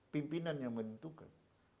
pimpinan yang menentukan